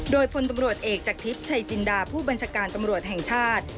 โดยพลตำรวจเอกจากทิพย์ชัยจินดาผู้บัญชาการตำรวจแห่งชาติ